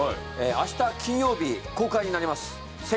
明日金曜日公開になります。